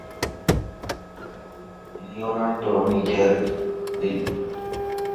Leonard নিজেও এই সংখ্যার সাফল্যে অবাক হয়েছিলেন।